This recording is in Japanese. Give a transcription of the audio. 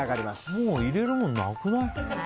もう入れるもんなくない？